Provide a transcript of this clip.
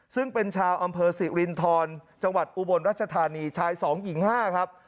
ซึ่งเป็นชาวอำเภอสิรินทรจังหวัดอุบลรัชธานีชาย๒หญิง๕ครับ